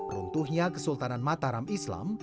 runtuhnya kesultanan mataram islam